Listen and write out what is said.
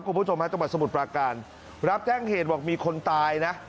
คุณผู้ชมฮะจังหวัดสมุทรปราการรับแจ้งเหตุบอกมีคนตายนะ